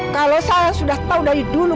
kalau saya sudah tahu dari dulu